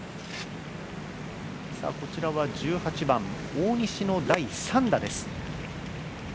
こちらは１８番、大西の第３打です。